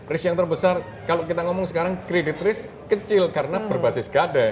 risk yang terbesar kalau kita ngomong sekarang kredit risk kecil karena berbasis gade